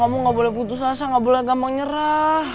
kamu gak boleh putus asa gak boleh gampang nyerah